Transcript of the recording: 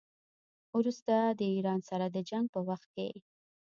وروسته د ایران سره د جنګ په وخت کې.